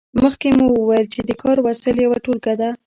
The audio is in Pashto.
مخکې مو وویل چې د کار وسایل یوه ټولګه ده.